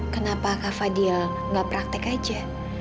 kenapa kak fadil nggak praktek aja